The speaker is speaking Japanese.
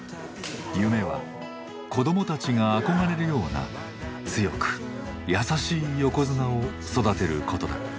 夢は子どもたちが憧れるような強く優しい横綱を育てることだ。